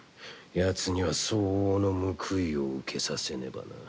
ヤツには相応の報いを受けさせねばな。